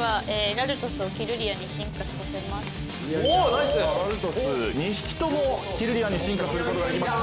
ラルトス２匹ともキルリアに進化することができました。